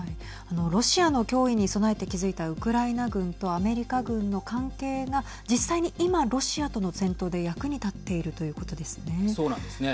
ロシアの脅威に備えて築いたウクライナ軍とアメリカ軍の関係が実際に今、ロシアとの戦闘で役に立っているということですね。